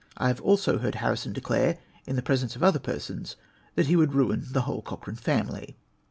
I have also heard Harrison declare, in tlie presence of other persons, that lie vjould ruin the whole Cochrane famihj.